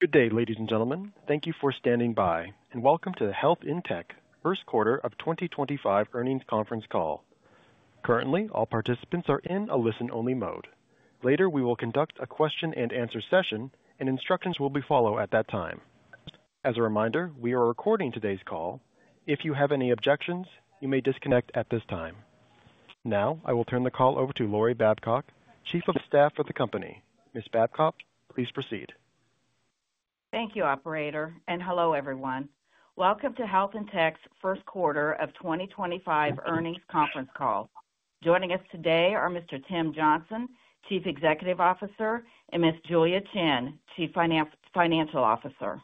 Good day, ladies and gentlemen. Thank you for standing by, and welcome to the Health In Tech First Quarter of 2025 Earnings Conference Call. Currently, all participants are in a listen-only mode. Later, we will conduct a question-and-answer session, and instructions will be followed at that time. As a reminder, we are recording today's call. If you have any objections, you may disconnect at this time. Now, I will turn the call over to Lori Babcock, Chief of Staff for the company. Ms. Babcock, please proceed. Thank you, Operator. Hello, everyone. Welcome to Health In Tech's First Quarter of 2025 Earnings Conference Call. Joining us today are Mr. Tim Johnson, Chief Executive Officer, and Ms. Julia Qian, Chief Financial Officer.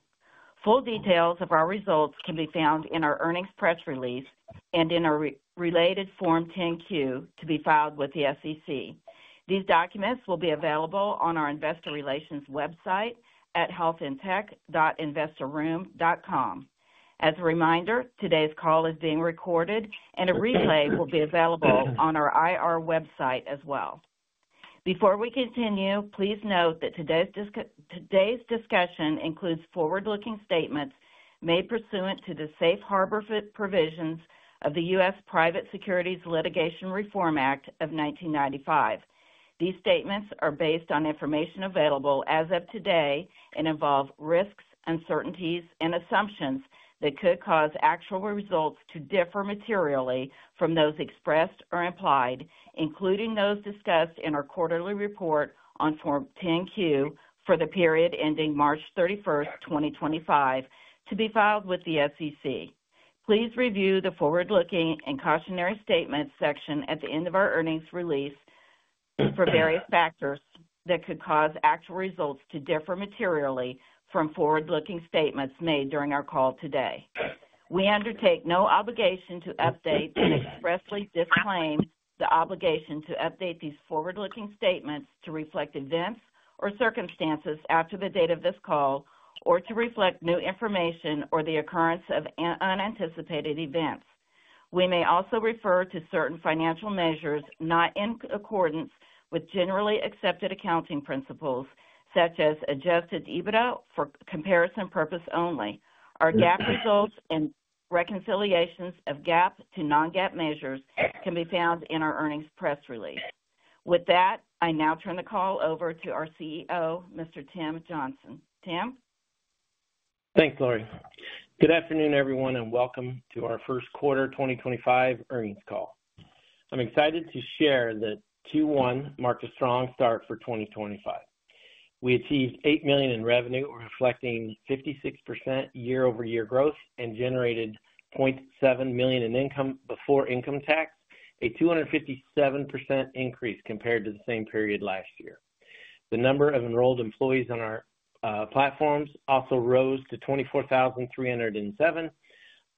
Full details of our results can be found in our earnings press release and in our related Form 10-Q to be filed with the SEC. These documents will be available on our investor relations website at healthintech.investorroom.com. As a reminder, today's call is being recorded, and a replay will be available on our IR website as well. Before we continue, please note that today's discussion includes forward-looking statements made pursuant to the safe harbor provisions of the U.S. Private Securities Litigation Reform Act of 1995. These statements are based on information available as of today and involve risks, uncertainties, and assumptions that could cause actual results to differ materially from those expressed or implied, including those discussed in our quarterly report on Form 10-Q for the period ending March 31st, 2025, to be filed with the SEC. Please review the forward-looking and cautionary statements section at the end of our earnings release for various factors that could cause actual results to differ materially from forward-looking statements made during our call today. We undertake no obligation to update and expressly disclaim the obligation to update these forward-looking statements to reflect events or circumstances after the date of this call or to reflect new information or the occurrence of unanticipated events. We may also refer to certain financial measures not in accordance with generally accepted accounting principles, such as adjusted EBITDA for comparison purposes only. Our GAAP results and reconciliations of GAAP to non-GAAP measures can be found in our earnings press release. With that, I now turn the call over to our CEO, Mr. Tim Johnson. Tim? Thanks, Lori. Good afternoon, everyone, and welcome to our first quarter 2025 earnings call. I'm excited to share that Q1 marked a strong start for 2025. We achieved $8 million in revenue, reflecting 56% year-over-year growth, and generated $0.7 million in income before income tax, a 257% increase compared to the same period last year. The number of enrolled employees on our platforms also rose to 24,307,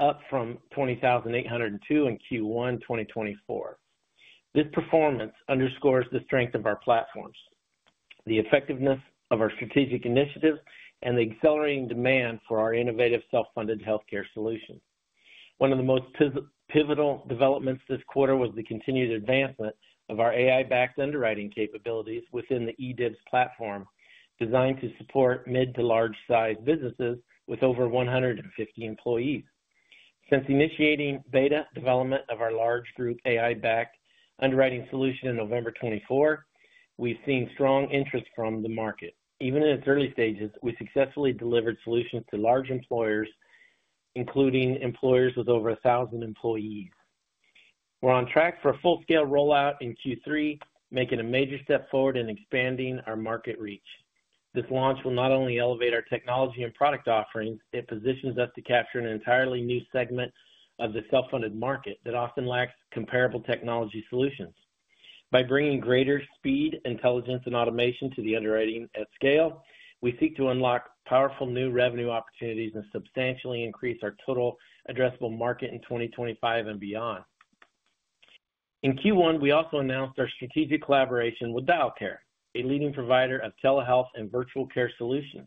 up from 20,802 in Q1 2024. This performance underscores the strength of our platforms, the effectiveness of our strategic initiatives, and the accelerating demand for our innovative self-funded healthcare solutions. One of the most pivotal developments this quarter was the continued advancement of our AI-backed underwriting capabilities within the eDIYBS platform, designed to support mid to large-sized businesses with over 150 employees. Since initiating beta development of our large group AI-backed underwriting solution in November 2024, we've seen strong interest from the market. Even in its early stages, we successfully delivered solutions to large employers, including employers with over 1,000 employees. We're on track for a full-scale rollout in Q3, making a major step forward in expanding our market reach. This launch will not only elevate our technology and product offerings, it positions us to capture an entirely new segment of the self-funded market that often lacks comparable technology solutions. By bringing greater speed, intelligence, and automation to the underwriting at scale, we seek to unlock powerful new revenue opportunities and substantially increase our total addressable market in 2025 and beyond. In Q1, we also announced our strategic collaboration with DialCare, a leading provider of telehealth and virtual care solutions.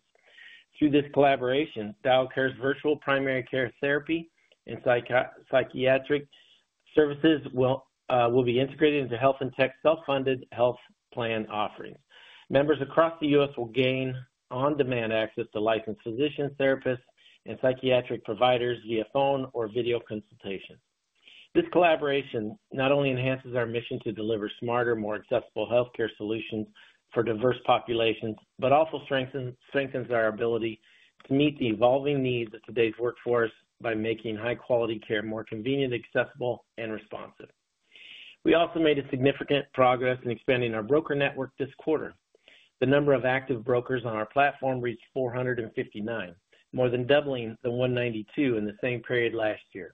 Through this collaboration, DialCare's virtual primary care therapy and psychiatric services will be integrated into Health In Tech's self-funded health plan offerings. Members across the U.S. Will gain on-demand access to licensed physicians, therapists, and psychiatric providers via phone or video consultation. This collaboration not only enhances our mission to deliver smarter, more accessible healthcare solutions for diverse populations, but also strengthens our ability to meet the evolving needs of today's workforce by making high-quality care more convenient, accessible, and responsive. We also made significant progress in expanding our broker network this quarter. The number of active brokers on our platform reached 459, more than doubling the 192 in the same period last year.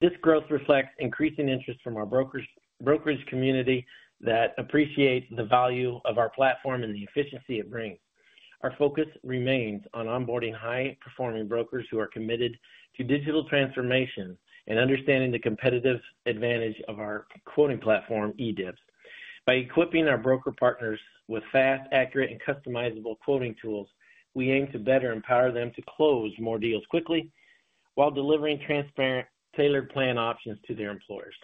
This growth reflects increasing interest from our brokerage community that appreciates the value of our platform and the efficiency it brings. Our focus remains on onboarding high-performing brokers who are committed to digital transformation and understanding the competitive advantage of our quoting platform, eDIYBS. By equipping our broker partners with fast, accurate, and customizable quoting tools, we aim to better empower them to close more deals quickly while delivering transparent, tailored plan options to their employers.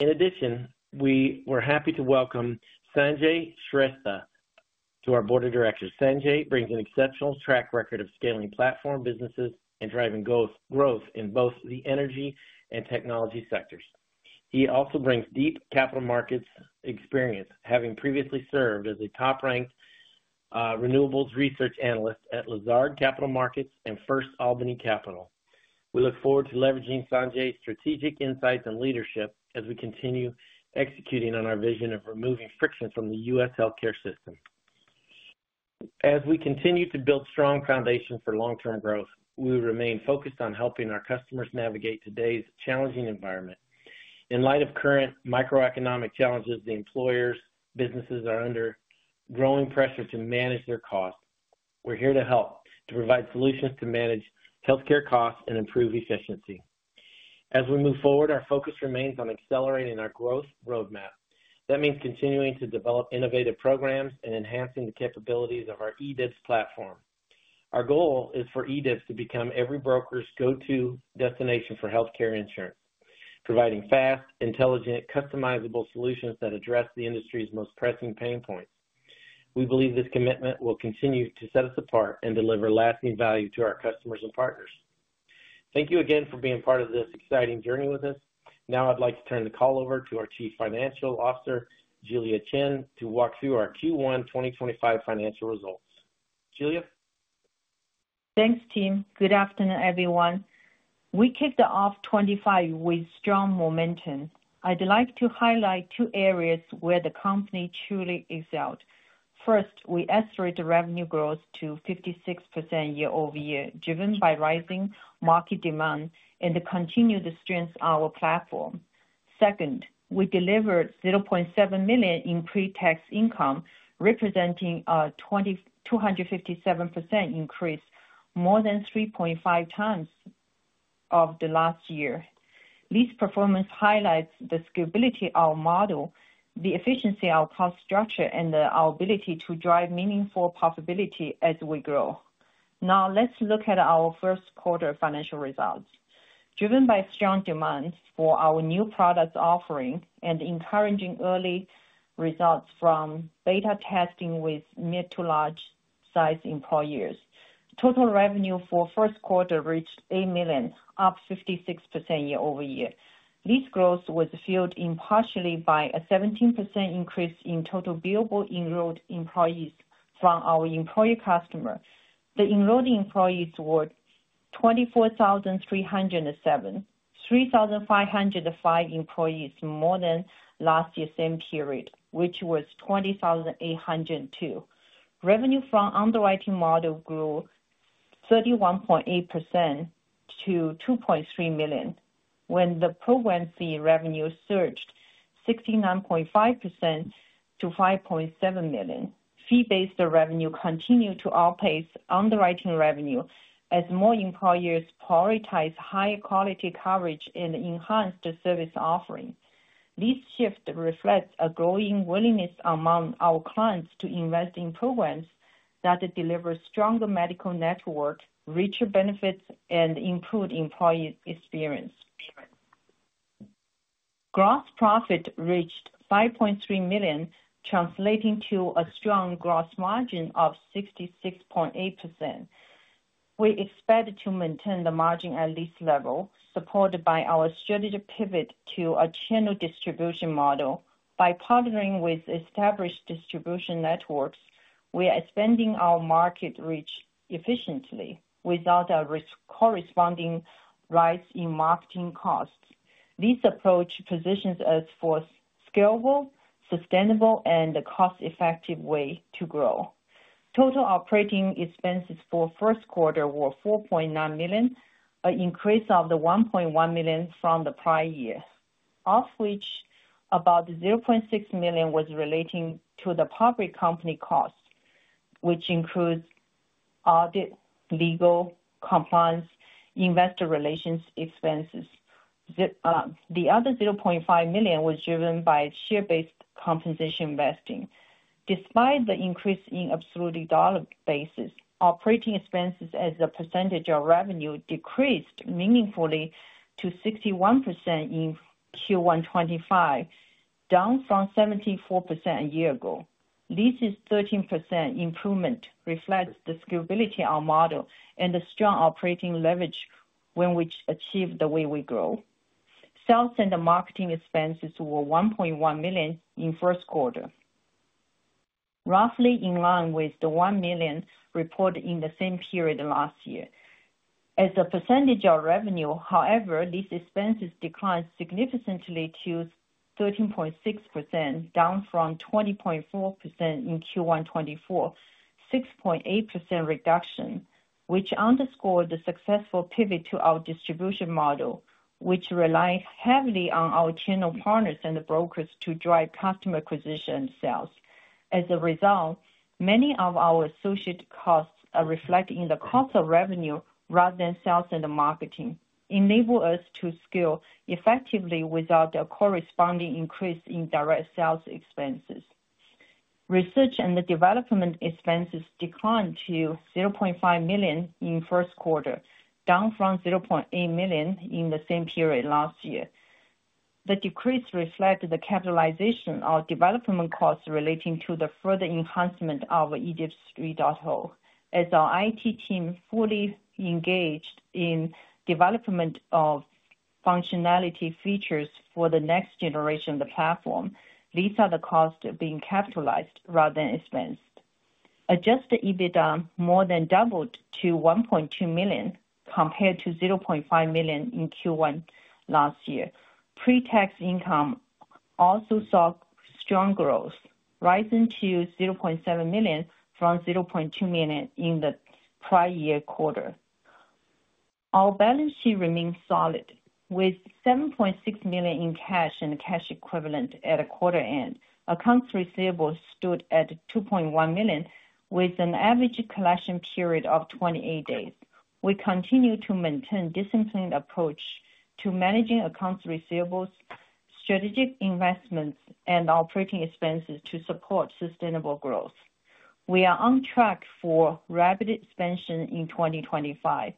In addition, we were happy to welcome Sanjay Shrestha to our board of directors. Sanjay brings an exceptional track record of scaling platform businesses and driving growth in both the energy and technology sectors. He also brings deep capital markets experience, having previously served as a top-ranked renewables research analyst at Lazard Capital Markets and First Albany Capital. We look forward to leveraging Sanjay's strategic insights and leadership as we continue executing on our vision of removing friction from the U.S. healthcare system. As we continue to build strong foundations for long-term growth, we remain focused on helping our customers navigate today's challenging environment. In light of current microeconomic challenges, the employers' businesses are under growing pressure to manage their costs. We're here to help, to provide solutions to manage healthcare costs and improve efficiency. As we move forward, our focus remains on accelerating our growth roadmap. That means continuing to develop innovative programs and enhancing the capabilities of our eDIYBS platform. Our goal is for eDIYBS to become every broker's go-to destination for healthcare insurance, providing fast, intelligent, customizable solutions that address the industry's most pressing pain points. We believe this commitment will continue to set us apart and deliver lasting value to our customers and partners. Thank you again for being part of this exciting journey with us. Now, I'd like to turn the call over to our Chief Financial Officer, Julia Qian, to walk through our Q1 2025 financial results. Julia? Thanks, Tim. Good afternoon, everyone. We kicked off 2025 with strong momentum. I'd like to highlight two areas where the company truly excelled. First, we accelerated revenue growth to 56% year-over-year, driven by rising market demand and the continued strength of our platform. Second, we delivered $0.7 million in pre-tax income, representing a 257% increase, more than 3.5 times of the last year. This performance highlights the scalability of our model, the efficiency of our cost structure, and our ability to drive meaningful profitability as we grow. Now, let's look at our first quarter financial results. Driven by strong demand for our new product offering and encouraging early results from beta testing with mid to large-sized employers, total revenue for the first quarter reached $8 million, up 56% year-over-year. This growth was fueled in partially by a 17% increase in total billable enrolled employees from our employee customer. The enrolled employees were 24,307, 3,505 employees more than last year's same period, which was 20,802. Revenue from underwriting model grew 31.8% to $2.3 million, while the program fee revenue surged 69.5% to $5.7 million. Fee-based revenue continued to outpace underwriting revenue as more employers prioritized higher quality coverage and enhanced service offerings. This shift reflects a growing willingness among our clients to invest in programs that deliver stronger medical networks, richer benefits, and improved employee experience. Gross profit reached $5.3 million, translating to a strong gross margin of 66.8%. We expect to maintain the margin at this level, supported by our strategic pivot to a channel distribution model. By partnering with established distribution networks, we are expanding our market reach efficiently without corresponding rises in marketing costs. This approach positions us for a scalable, sustainable, and cost-effective way to grow. Total operating expenses for the first quarter were $4.9 million, an increase of $1.1 million from the prior year, of which about $0.6 million was relating to the public company costs, which includes audit, legal, compliance, and investor relations expenses. The other $0.5 million was driven by share-based compensation investing. Despite the increase in absolute dollar basis, operating expenses as a percentage of revenue decreased meaningfully to 61% in Q1 2025, down from 74% a year ago. This 13% improvement reflects the scalability of our model and the strong operating leverage when we achieve the way we grow. Sales and marketing expenses were $1.1 million in the first quarter, roughly in line with the $1 million reported in the same period last year. As a percentage of revenue, however, these expenses declined significantly to 13.6%, down from 20.4% in Q1 2024, a 6.8% reduction, which underscored the successful pivot to our distribution model, which relied heavily on our channel partners and the brokers to drive customer acquisition sales. As a result, many of our associated costs are reflected in the cost of revenue rather than sales and the marketing, enabling us to scale effectively without a corresponding increase in direct sales expenses. Research and development expenses declined to $0.5 million in the first quarter, down from $0.8 million in the same period last year. The decrease reflects the capitalization of development costs relating to the further enhancement of eDIYBS 3.0. As our IT team fully engaged in the development of functionality features for the next generation of the platform, these are the costs being capitalized rather than expensed. Adjusted EBITDA more than doubled to $1.2 million compared to $0.5 million in Q1 last year. Pre-tax income also saw strong growth, rising to $0.7 million from $0.2 million in the prior year quarter. Our balance sheet remained solid, with $7.6 million in cash and cash equivalent at the quarter end. Accounts receivable stood at $2.1 million, with an average collection period of 28 days. We continue to maintain a disciplined approach to managing accounts receivable, strategic investments, and operating expenses to support sustainable growth. We are on track for rapid expansion in 2025,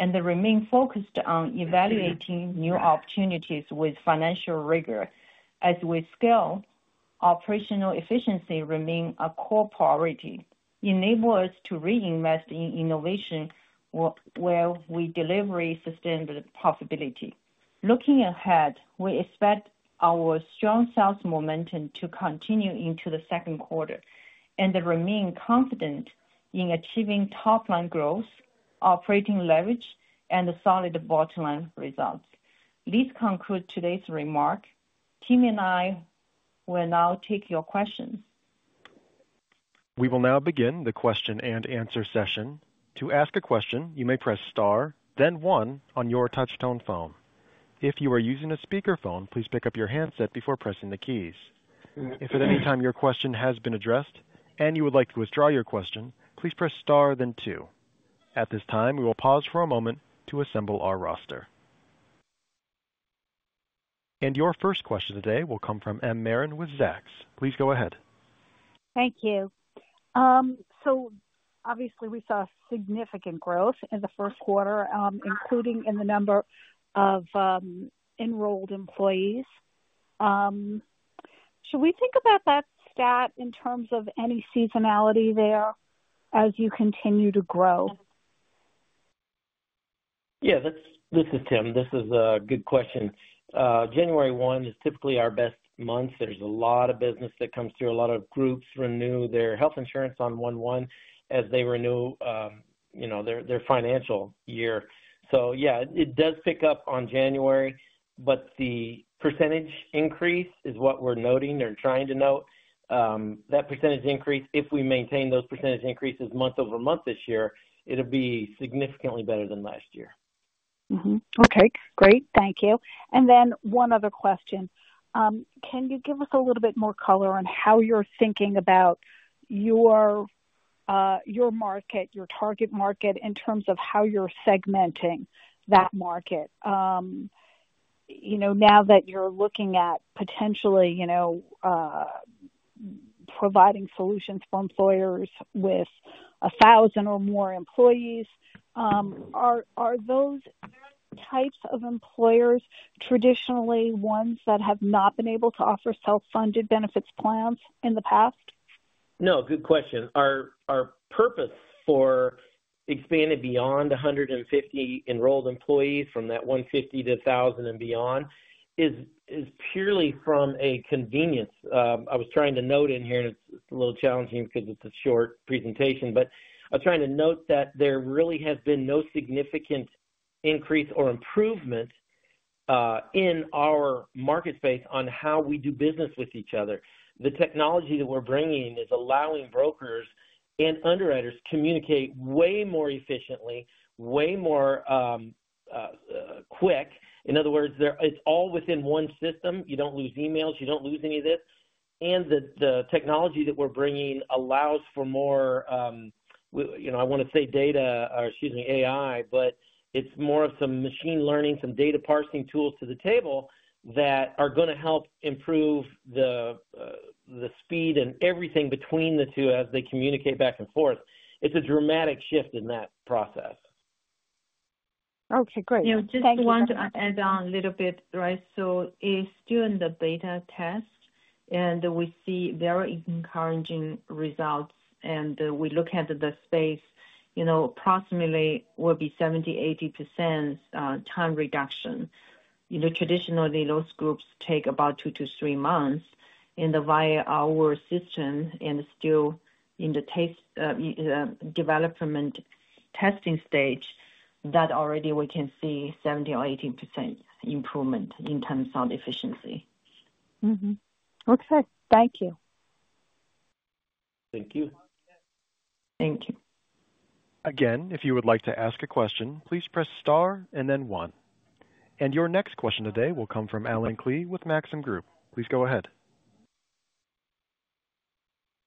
and we remain focused on evaluating new opportunities with financial rigor as we scale. Operational efficiency remains a core priority, enabling us to reinvest in innovation while we deliver sustainable profitability. Looking ahead, we expect our strong sales momentum to continue into the second quarter, and we remain confident in achieving top-line growth, operating leverage, and solid bottom-line results. This concludes today's remarks. Tim and I will now take your questions. We will now begin the question and answer session. To ask a question, you may press star, then one on your touch-tone phone. If you are using a speakerphone, please pick up your handset before pressing the keys. If at any time your question has been addressed and you would like to withdraw your question, please press star, then two. At this time, we will pause for a moment to assemble our roster. Your first question today will come from M. Marin with Zacks. Please go ahead. Thank you. Obviously, we saw significant growth in the first quarter, including in the number of enrolled employees. Should we think about that stat in terms of any seasonality there as you continue to grow? Yeah, this is Tim. This is a good question. January 1 is typically our best month. There's a lot of business that comes through. A lot of groups renew their health insurance on 1/1 as they renew their financial year. Yeah, it does pick up on January, but the percentage increase is what we're noting or trying to note. That percentage increase, if we maintain those percentage increases month over month this year, it'll be significantly better than last year. Okay. Great. Thank you. One other question. Can you give us a little bit more color on how you're thinking about your market, your target market, in terms of how you're segmenting that market? Now that you're looking at potentially providing solutions for employers with 1,000 or more employees, are those types of employers traditionally ones that have not been able to offer self-funded benefits plans in the past? No. Good question. Our purpose for expanding beyond 150 enrolled employees from that 150 to 1,000 and beyond is purely from a convenience. I was trying to note in here, and it's a little challenging because it's a short presentation, but I was trying to note that there really has been no significant increase or improvement in our market space on how we do business with each other. The technology that we're bringing is allowing brokers and underwriters to communicate way more efficiently, way more quick. In other words, it's all within one system. You don't lose emails. You don't lose any of this. The technology that we're bringing allows for more—I want to say data or, excuse me, AI, but it's more of some machine learning, some data parsing tools to the table that are going to help improve the speed and everything between the two as they communicate back and forth. It's a dramatic shift in that process. Okay. Great. Just want to add on a little bit, right? It is still in the beta test, and we see very encouraging results. We look at the space. Approximately, it will be 70-80% time reduction. Traditionally, those groups take about two to three months. Via our system and still in the development testing stage, already we can see 70% or 80% improvement in terms of efficiency. Okay. Thank you. Thank you. Thank you. Again, if you would like to ask a question, please press star and then one. Your next question today will come from Allen Klee with Maxim Group. Please go ahead.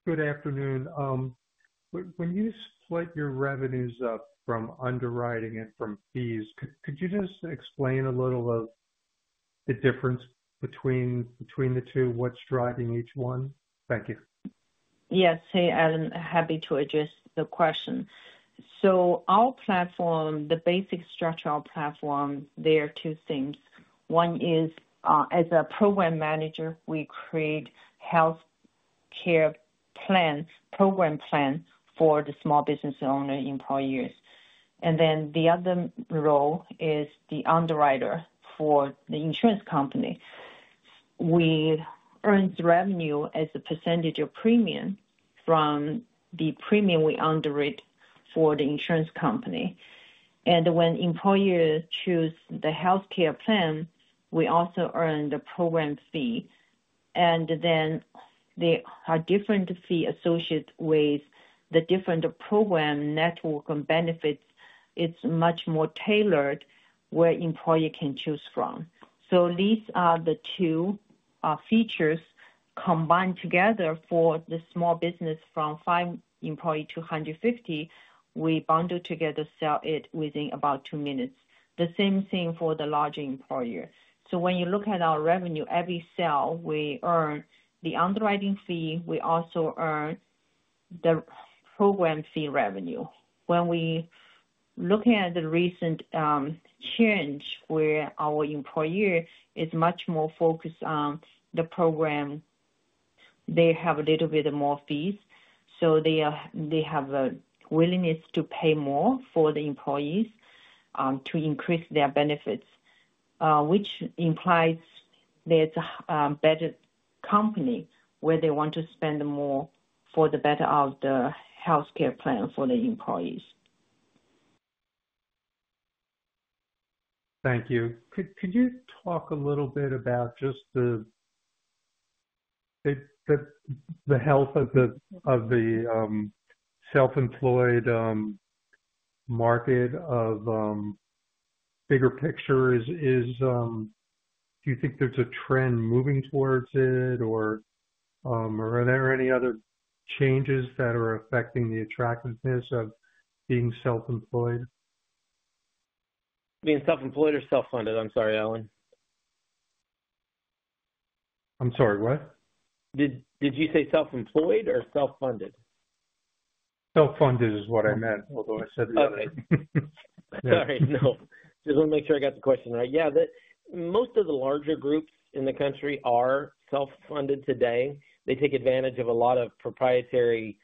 Good afternoon. When you split your revenues up from underwriting and from fees, could you just explain a little of the difference between the two, what's driving each one? Thank you. Yes. Hey, Allen. Happy to address the question. Our platform, the basic structure of our platform, there are two things. One is, as a program manager, we create healthcare program plans for the small business owner employees. The other role is the underwriter for the insurance company. We earn revenue as a percentage of premium from the premium we underwrite for the insurance company. When employers choose the healthcare plan, we also earn the program fee. There are different fees associated with the different program network and benefits. It's much more tailored where employees can choose from. These are the two features combined together for the small business from five employees to 150. We bundle together sales within about two minutes. The same thing for the larger employer. When you look at our revenue, every sale we earn, the underwriting fee, we also earn the program fee revenue. When we look at the recent change, where our employer is much more focused on the program, they have a little bit more fees. They have a willingness to pay more for the employees to increase their benefits, which implies there's a better company where they want to spend more for the better of the healthcare plan for the employees. Thank you. Could you talk a little bit about just the health of the self-employed market of bigger picture? Do you think there's a trend moving towards it, or are there any other changes that are affecting the attractiveness of being self-employed? Being self-employed or self-funded? I'm sorry, Allen. I'm sorry, what? Did you say self-employed or self-funded? Self-funded is what I meant, although I said the other. Okay. Sorry. No. Just want to make sure I got the question right. Yeah. Most of the larger groups in the country are self-funded today. They take advantage of a lot of proprietary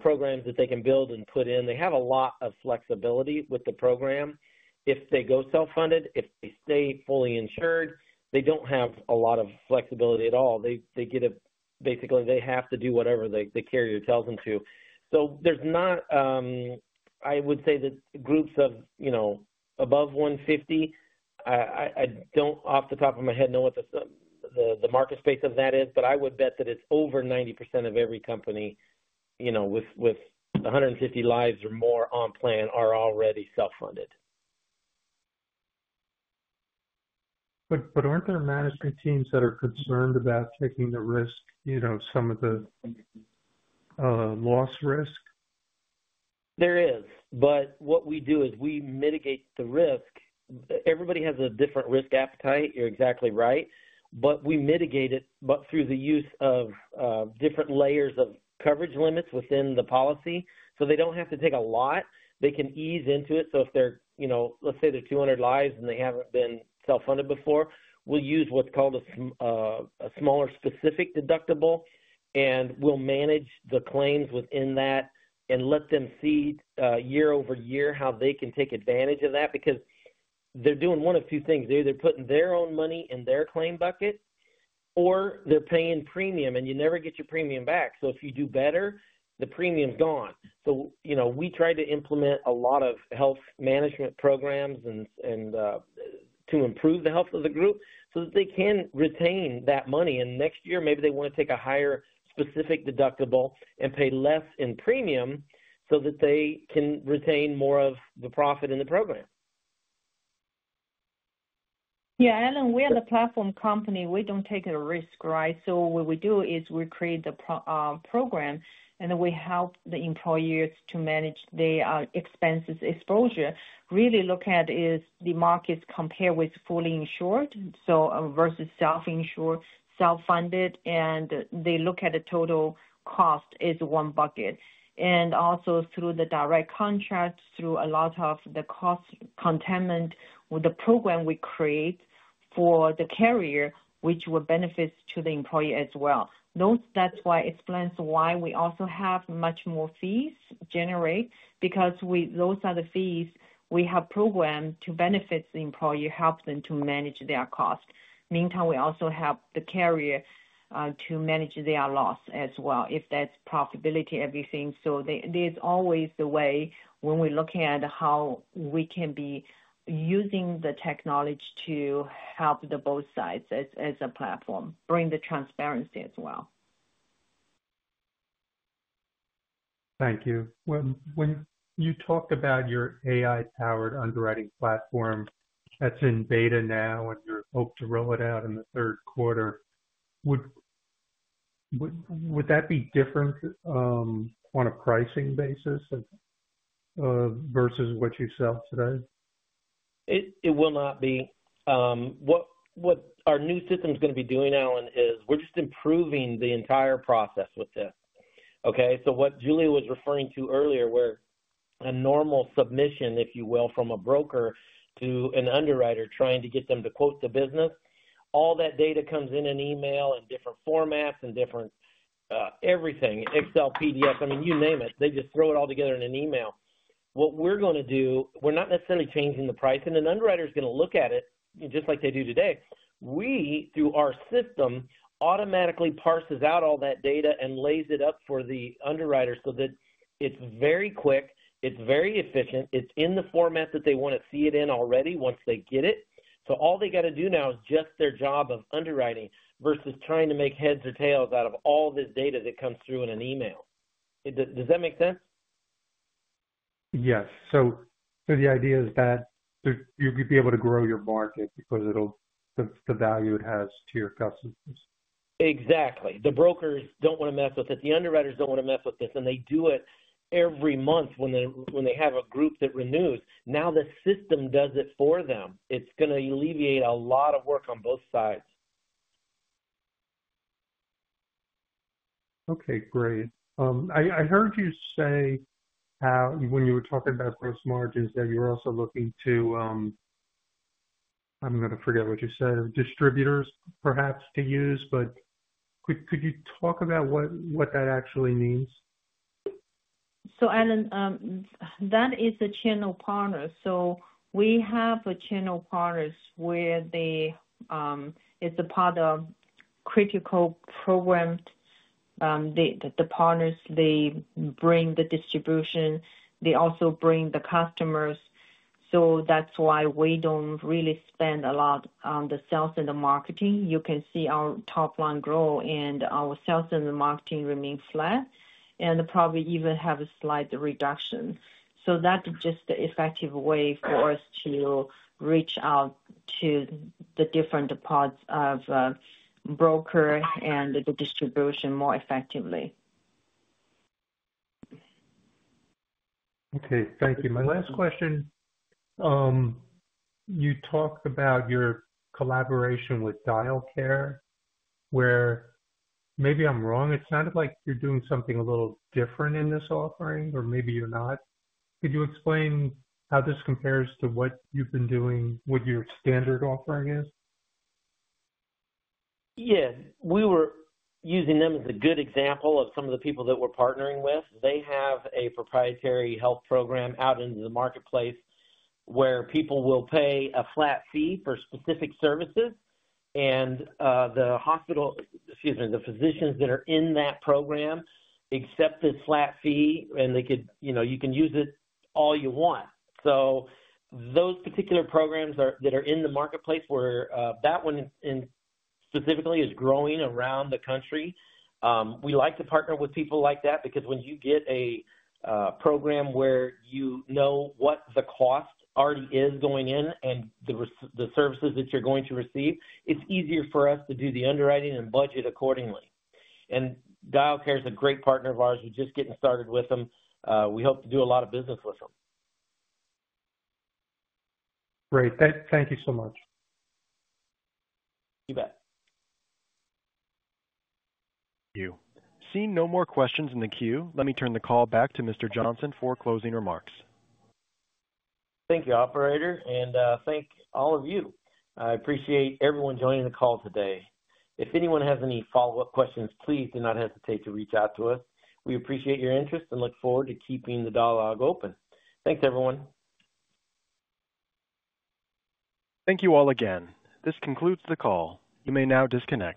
programs that they can build and put in. They have a lot of flexibility with the program. If they go self-funded, if they stay fully insured, they do not have a lot of flexibility at all. Basically, they have to do whatever the carrier tells them to. There is not, I would say, that groups of above 150. I do not, off the top of my head, know what the market space of that is, but I would bet that it is over 90% of every company with 150 lives or more on plan are already self-funded. Aren't there management teams that are concerned about taking the risk, some of the loss risk? There is. What we do is we mitigate the risk. Everybody has a different risk appetite. You're exactly right. We mitigate it through the use of different layers of coverage limits within the policy. They do not have to take a lot. They can ease into it. If they are, let's say, 200 lives and they have not been self-funded before, we will use what is called a smaller specific deductible, and we will manage the claims within that and let them see year over year how they can take advantage of that because they are doing one of two things. They are either putting their own money in their claim bucket, or they are paying premium, and you never get your premium back. If you do better, the premium is gone. We try to implement a lot of health management programs to improve the health of the group so that they can retain that money. Next year, maybe they want to take a higher specific deductible and pay less in premium so that they can retain more of the profit in the program. Yeah. We are the platform company. We don't take a risk, right? What we do is we create the program, and we help the employers to manage their expenses exposure. Really look at is the markets compare with fully insured versus self-insured, self-funded, and they look at the total cost as one bucket. Also through the direct contract, through a lot of the cost containment with the program we create for the carrier, which will benefit to the employee as well. That explains why we also have much more fees generate because those are the fees we have programmed to benefit the employee, help them to manage their cost. Meantime, we also help the carrier to manage their loss as well if that's profitability, everything. There is always a way when we're looking at how we can be using the technology to help both sides as a platform, bring the transparency as well. Thank you. When you talk about your AI-powered underwriting platform that's in beta now and you're hoping to roll it out in the third quarter, would that be different on a pricing basis versus what you sell today? It will not be. What our new system is going to be doing, Allen, is we're just improving the entire process with this. Okay? So what Julia was referring to earlier, where a normal submission, if you will, from a broker to an underwriter trying to get them to quote the business, all that data comes in an email in different formats and different everything, Excel, PDF, I mean, you name it. They just throw it all together in an email. What we're going to do, we're not necessarily changing the pricing. An underwriter is going to look at it just like they do today. We, through our system, automatically parse out all that data and lay it up for the underwriter so that it's very quick, it's very efficient, it's in the format that they want to see it in already once they get it. All they got to do now is just their job of underwriting versus trying to make heads or tails out of all this data that comes through in an email. Does that make sense? Yes. The idea is that you'll be able to grow your market because of the value it has to your customers. Exactly. The brokers don't want to mess with it. The underwriters don't want to mess with this. They do it every month when they have a group that renews. Now the system does it for them. It's going to alleviate a lot of work on both sides. Okay. Great. I heard you say when you were talking about gross margins that you're also looking to—I am going to forget what you said—distributors perhaps to use. Could you talk about what that actually means? Allen, that is a channel partner. We have a channel partner where it's a part of critical program. The partners, they bring the distribution. They also bring the customers. That's why we don't really spend a lot on the sales and the marketing. You can see our top-line grow, and our sales and the marketing remain flat and probably even have a slight reduction. That's just the effective way for us to reach out to the different parts of broker and the distribution more effectively. Okay. Thank you. My last question. You talked about your collaboration with DialCare, where maybe I'm wrong. It sounded like you're doing something a little different in this offering, or maybe you're not. Could you explain how this compares to what you've been doing, what your standard offering is? Yeah. We were using them as a good example of some of the people that we're partnering with. They have a proprietary health program out into the marketplace where people will pay a flat fee for specific services. The physicians that are in that program accept this flat fee, and you can use it all you want. Those particular programs that are in the marketplace where that one specifically is growing around the country, we like to partner with people like that because when you get a program where you know what the cost already is going in and the services that you're going to receive, it's easier for us to do the underwriting and budget accordingly. DialCare is a great partner of ours. We're just getting started with them. We hope to do a lot of business with them. Great. Thank you so much. You bet. Thank you. Seeing no more questions in the queue, let me turn the call back to Mr. Johnson for closing remarks. Thank you, operator. Thank all of you. I appreciate everyone joining the call today. If anyone has any follow-up questions, please do not hesitate to reach out to us. We appreciate your interest and look forward to keeping the dialogue open. Thanks, everyone. Thank you all again. This concludes the call. You may now disconnect.